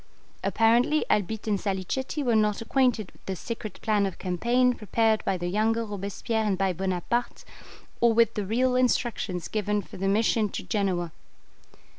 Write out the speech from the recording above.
Apparently Albitte and Salicetti were not acquainted with the secret plan of campaign prepared by the younger Robespierre and by Bonaparte, or with the real instructions given for the mission to Genoa.